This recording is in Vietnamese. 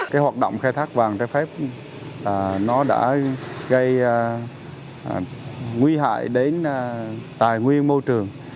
cái hoạt động khai thác vàng trái phép nó đã gây nguy hại đến tài nguyên môi trường